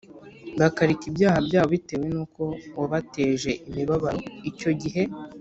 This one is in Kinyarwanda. bakareka ibyaha byabo bitewe nuko wabateje imibabaro icyo gihe